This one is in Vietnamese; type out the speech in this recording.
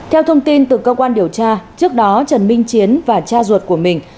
theo thông tin từ cơ quan điều tra trước đó trần minh chiến và cha ruột của mình